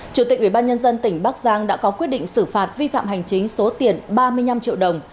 chủ tịch ubnd tỉnh bắc giang đã có quyết định xử phạt vi phạm hành chính số tiền ba mươi năm triệu đồng